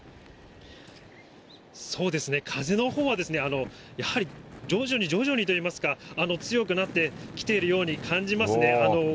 そうですね、風のほうはやはり徐々に徐々にといいますか、強くなってきているように感じますね。